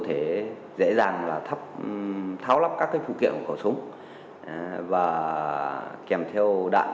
tháo lắp các phụ kiện của khẩu súng và kèm theo đạn